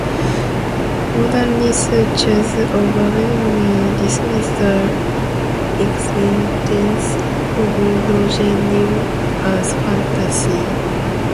Modern researchers overwhelmingly dismiss the existence of Rogerio as fantasy.